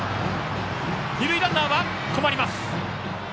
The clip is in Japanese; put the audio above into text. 二塁ランナーは三塁で止まります。